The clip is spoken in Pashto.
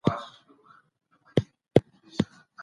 ټولنیز رفتار د قوانینو له مخې تنظیمیږي.